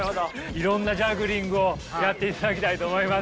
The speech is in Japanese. いろんなジャグリングをやっていただきたいと思います。